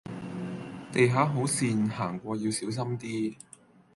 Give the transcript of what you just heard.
地下好跣，行過要小心啲